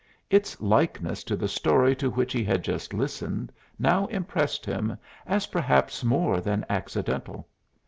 Its likeness to the story to which he had just listened now impressed him as perhaps more than accidental.